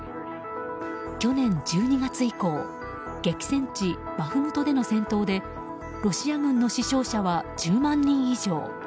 去年１２月以降激戦地バフムトでの戦闘でロシア軍の死傷者は１０万人以上。